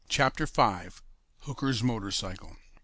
CHAPTER V. HOOKER'S MOTORCYCLE.